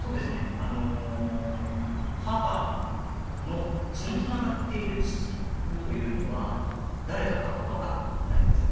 あの母の血のつながっている父というのは誰だかはわかんないですね。